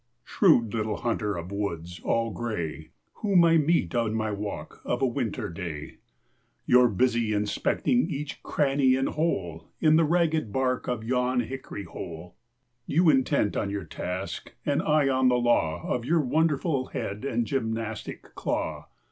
Shrewd little hunter of woods all gray, Whom I meet on my walk of a winter day, You're busy inspecting each cranny and hole In the ragged bark of yon hickory hole; You intent on your task, and I on the law Of your wonderful head and gymnastic claw!